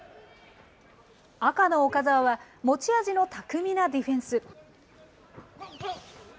赤の岡澤は、持ち味の巧みなディフェンス。